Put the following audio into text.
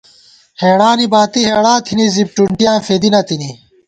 ہېڑانی باتی ہېڑا تھنی ، زِپ ٹُنٹِیاں فېدِی نہ تِنی